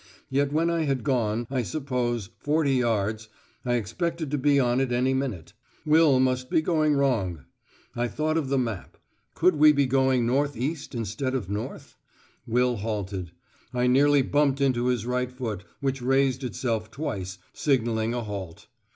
Yet when I had gone, I suppose, forty yards, I expected to be on it any minute. Will must be going wrong. I thought of the map. Could we be going north east instead of north? Will halted. I nearly bumped into his right foot, which raised itself twice, signalling a halt.